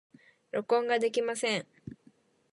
録音ができません。